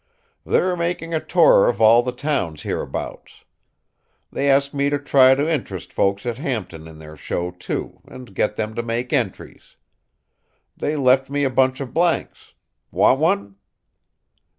"They're making a tour of all the towns hereabouts. They asked me to try to int'rest folks at Hampton in their show, too, and get them to make entries. They left me a bunch of blanks. Want one?"